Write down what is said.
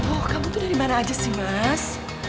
oh kamu tuh dari mana aja sih mas